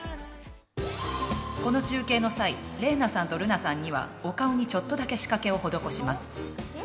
この中継の際玲奈さんと瑠奈さんにはお顔にちょっとだけ仕掛けを施します。